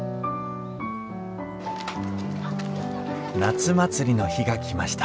夏祭りの日が来ました